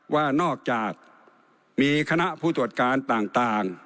ว่านอกจากมีคณะผู้ตรวจการต่าง